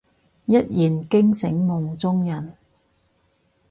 一言驚醒夢中人